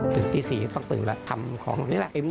ถึงที่๔ตั้งแล้วทำของนี่แหละ